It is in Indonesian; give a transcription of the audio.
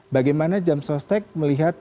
bagaimana jam sostek melihat